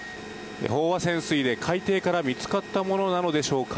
飽和潜水で海底から見つかったものなのでしょうか。